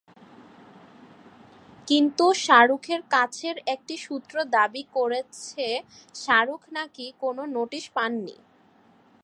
কিন্তু শাহরুখের কাছের একটি সূত্র দাবি করেছে, শাহরুখ নাকি কোনো নোটিশ পাননি।